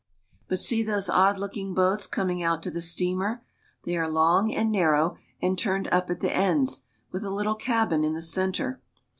But see those odd looking boats coming out to the steamer. They are long and narrow, and turned up at the ends, with a little cabin in the center.